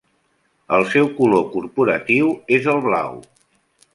El seu color corporatiu és el blau.